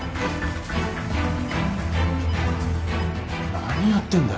何やってんだよ。